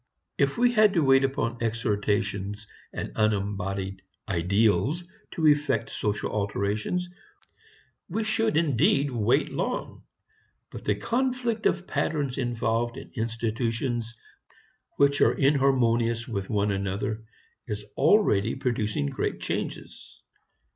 If we had to wait upon exhortations and unembodied "ideals" to effect social alterations, we should indeed wait long. But the conflict of patterns involved in institutions which are inharmonious with one another is already producing great changes.